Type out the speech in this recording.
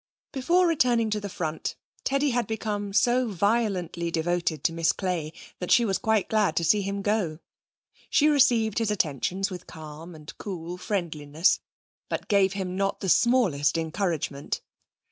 Before returning to the front Teddy had become so violently devoted to Miss Clay that she was quite glad to see him go. She received his attentions with calm and cool friendliness, but gave him not the smallest encouragement.